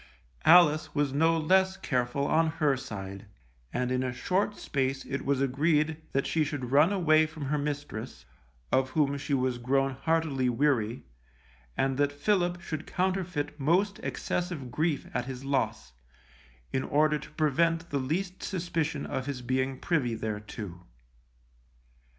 Alice was no less careful on her side, and in a short space it was agreed that she should run away from her mistress, of whom she was grown heartily weary, and that Philip should counterfeit most excessive grief at his loss, in order to prevent the least suspicion of his being privy thereto.